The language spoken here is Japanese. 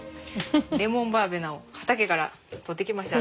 レモンバーベナを畑から取ってきました。